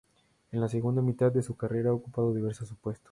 En la segunda mitad de su carrera ha ocupado diversos puestos.